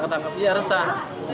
syukur banget ya resah